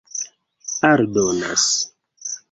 aldonas